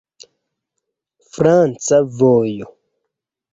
Franca vojo.